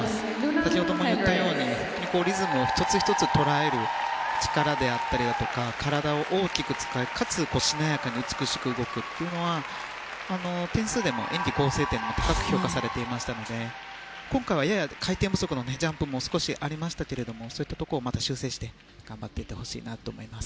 先ほども言ったようにリズムを１つ１つ捉える力であったりだとか体を大きく使いかつ、しなやかに美しく動くというのは点数でも演技構成点で高く評価されていましたので今回はやや回転不足のジャンプも少しありましたけれどもそういったところをまた修正して頑張っていってほしいなと思います。